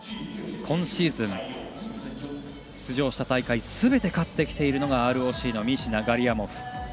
今シーズン、出場した大会すべて勝ってきているのがＲＯＣのミーシナとガリアモフ。